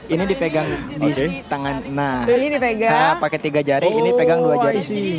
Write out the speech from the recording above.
ini dipegang di sini pakai tiga jari ini pegang dua jari